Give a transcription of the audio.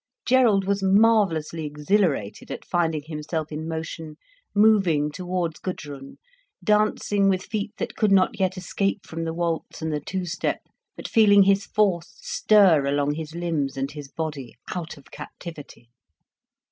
Gerald was marvellously exhilarated at finding himself in motion, moving towards Gudrun, dancing with feet that could not yet escape from the waltz and the two step, but feeling his force stir along his limbs and his body, out of captivity.